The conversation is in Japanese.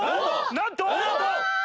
なんと！